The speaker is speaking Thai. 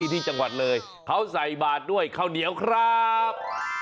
ที่จังหวัดเลยเขาใส่บาทด้วยข้าวเหนียวครับ